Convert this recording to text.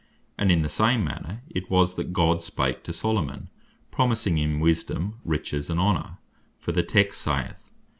And in the same manner it was, that God spake to Solomon, promising him Wisdome, Riches, and Honor; for the text saith, (1 Kings 3.